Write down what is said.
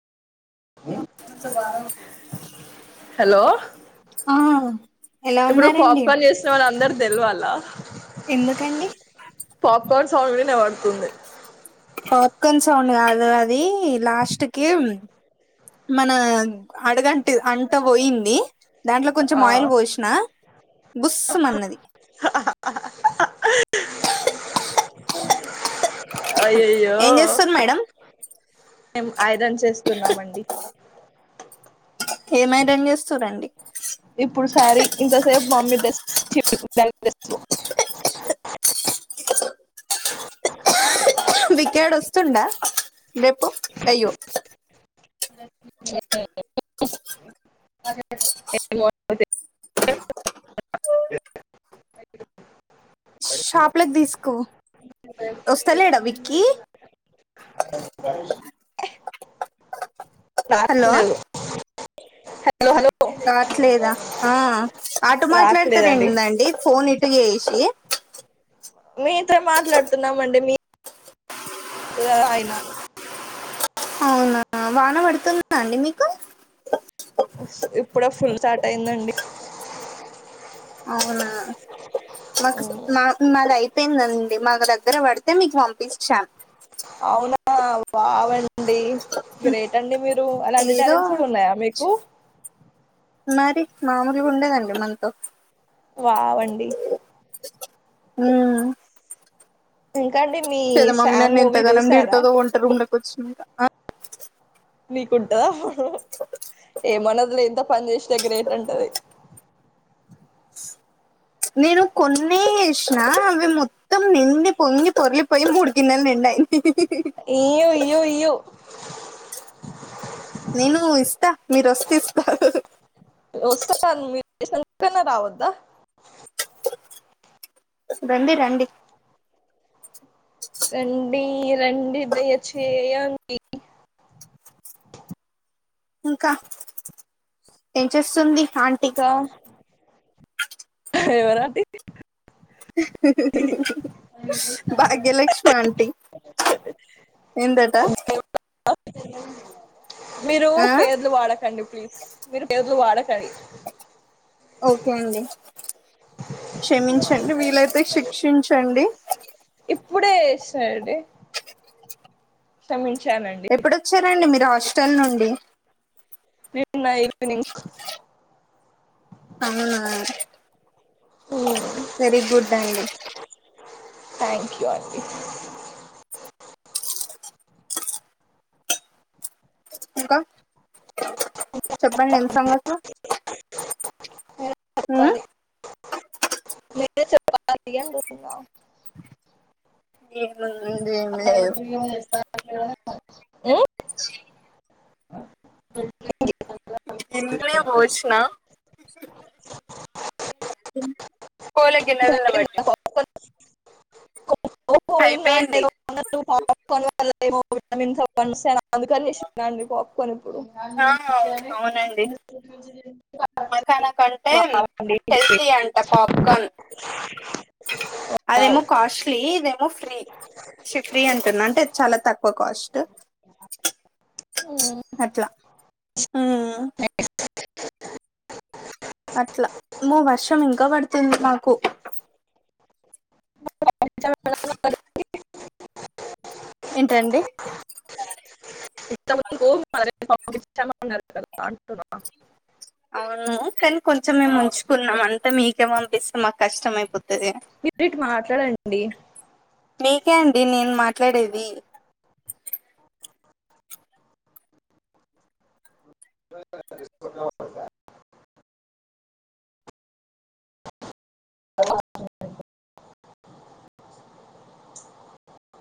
అంత బాలేవ్ హలో ఆ ఎలా ఇప్పుడు ఉన్నారండి పాప్కార్న్ చేస్ సె వాళ్ళందరూ దెల్వాల ఎందుకండి పాప్కార్న్ సౌండ్ వినపడుతుంది పాప్కార్న్ సౌండ్ కాదు అది లాస్ట్కి మన అడగంటు అంట పోయింది దాంట్లో కొంచెం ఆ ఆయిల్ పోసిన బుస్సమన్నది అయ్యయ్యో ఏం చేస్తారు మేడం మేం ఇరన్ చేస్తున్నామండి ఏమైరన్ చేస్తురండి ఇప్పుడు సారి ఇంతసేపు మమ్మీ డ్రెస్ చీ [unintelligible] వికేడ్ వస్తుండా రేపు అయ్యో [unintelligible] చె షాప్ లోకి తీసుకుపో వస్తాలేడా విక్కీ కా హలో రాట్లేదు హలో హలో రాట్లేదా ఆ అటు రాట్లేదండి మాట్లాడతరేందండి ఫోన్ ఇ టు చేసి మీతో మాట్లాడుతున్నామండి మీ తో అయినా అవునా వాన పడుతుంద అండి మీకు ఇప్పుడే ఫుల్ స్టార్ట్ అయిందండి అవునా మాకు మా మాది అయిపోయిందండి మాకు దగ్గర పడుతు తే మీకు పంపిచ్చాం అవునా ఆ వావండి గ్రేట్ అండి మీరు అలాంటి ఏదో టాలెంట్స్ కూడా ఉన్నాయా మీకు మరి మామూలుగా ఉండదండి మనతో వావండి మ్మ్ ఇంకాండి మీ లేదా మమ్మీ శామ్ నన్ను ఎంత మూవీ గనం చూసారా తిడతదో వంట రూమ్ కొచ్చినంక నీకుంటందా ఏమన్నది లే ఎంత పని చేసినా గ్రేట్ అంటది నేను కొన్ని ఏసిన అవి మొత్తం నిండి పొంగి పొరలిపోయి మూడు గిన్నెలు నిండయి ఇయ్యో ఇయ్యో ఇయ్యో నేను ఇస్తా మీరు వచ్చి తీసుకో వస్తా మీరు చేసినందుకన్న రావద్దా రండి రండి రండి రండి దయ చేయండి ఇంకా ఏం చేస్తుంది ఆంటీ ఇంకా ఎవరండి భాగ్యలక్ష్మాంటి ఏందట మీరు ఆ పేర్లు వాడకండి ప్లీజ్ మీరు పేర్లు వాడకండి ఓకే అండి క్షమించండి వీలైతే శిక్షించండి ఇప్పుడే ఏసాడే క్రమించానండి ఎప్పుడొచ్చారండి మీరు హాస్టల్ నుండి నిన్న ఈవినింగ్ అ ఉ వెరీ గుడ్ అండి థ్యాంక్ యూ అండి ఇంకా చెప్పండి ఎం సంగతలు [unintelligible] ఉమ్ చెప్పాలి మీరే చెప్పాలి అంటున్న ఏముంది ఏం లేదు ఉ నిన్ననే ఏమో వచ్చిన కోళ్లకు కింద కూడ అయిపోయిందా పెట్టినం పాప్కార్న్ నిన్న అయిపోయింది [unintelligible] ఇప్పుడు ఆ [unintelligible] మకాన కంటే బాగుంది. హెల్ది అంట పోప్క్రాన్ అదేమో కాస్ట్లీ ఇదేమో ఫ్రీ ఫ్రీ అంటున్నా అంటే చాల తక్కువ కాస్ట్ ఉమ్. అట్ల ఆ అట్ల అమ్మో వర్షం ఇంక పడుతుంది నాకు ఏంటండి [unintelligible] అవును కానీ కొంచెం మేము ఉంచుకున్నాం అంత మీకే పంపిస్తే మాకు కష్టం అయిపోతది మీరు [unintelligible] మాట్లాడండి మీకే అండి నేను మాట్లాడేది